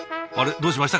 どうしました？